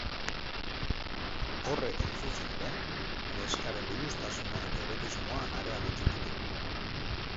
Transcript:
Horrek, hain zuzen ere, neskaren biluztasuna eta erotismoa areagotzen ditu.